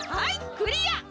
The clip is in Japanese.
クリア！